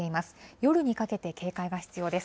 夜にかけて警戒が必要です。